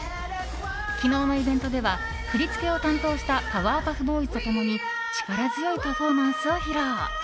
昨日のイベントでは振り付けを担当したパワーパフボーイズと共に力強いパフォーマンスを披露。